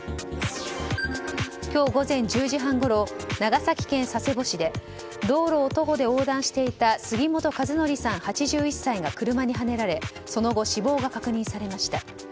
今日午前１０時半ごろ長崎県佐世保市で道路を徒歩で横断していた杉本和紀さん、８１歳が車にはねられその後、死亡が確認されました。